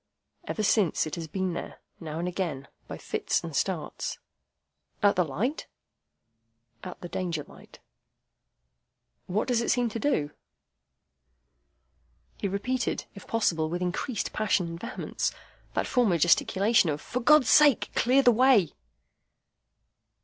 Ever since, it has been there, now and again, by fits and starts." "At the light?" "At the Danger light." "What does it seem to do?" He repeated, if possible with increased passion and vehemence, that former gesticulation of, "For God's sake, clear the way!"